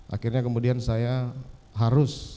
akhirnya kemudian saya harus